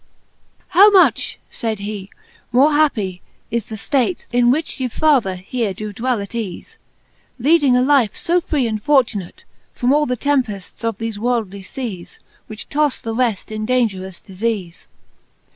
XIX. How much, faid he, more happie is the Rate, In which ye, father, here doe dwell at cafe, Leading a life fo free and fortunate. From all the tempefts of thele worldly feas, Which tofle the reft in daungerous difeafe